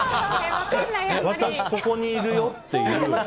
私ここにいるよっていう。